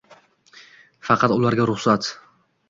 Faqat ularga ruxsat